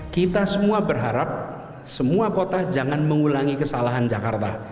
kita semua berharap semua kota jangan mengulangi kesalahan jakarta